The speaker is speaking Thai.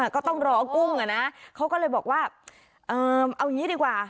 อ๋อก็ต้องรอกุ้งอ่ะนะเขาก็เลยบอกว่าเอ่อเอาอย่างงี้ดีกว่า